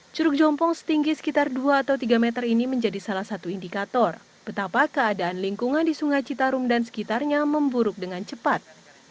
curug jompong setinggi sekitar dua atau tiga meter ini menjadi salah satu indikator betapa keadaan lingkungan di sungai citarum dan sekitarnya memburuk dengan cepat